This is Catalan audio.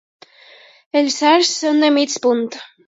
Els arcs són de mig punt.